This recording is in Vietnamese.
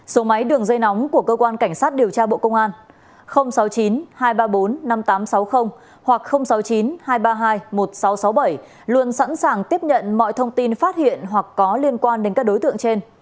số máy đường dây nóng của cơ quan cảnh sát điều tra bộ công an sáu mươi chín hai trăm ba mươi bốn năm nghìn tám trăm sáu mươi hoặc sáu mươi chín hai trăm ba mươi hai một nghìn sáu trăm sáu mươi bảy luôn sẵn sàng tiếp nhận mọi thông tin phát hiện hoặc có liên quan đến các đối tượng trên